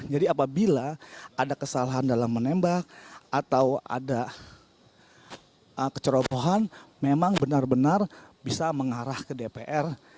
jadi apabila ada kesalahan dalam menembak atau ada kecerobohan memang benar benar bisa mengarah ke dpr